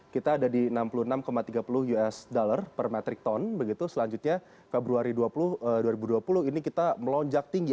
kita ada di enam puluh enam tiga puluh usd per metric ton begitu selanjutnya februari dua ribu dua puluh ini kita melonjak tinggi